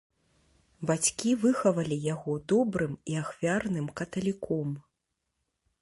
Бацькі выхавалі яго добрым і ахвярным каталіком.